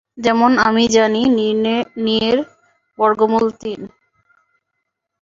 যেমন আমি জানি নিয়ের বর্গমূল তিন।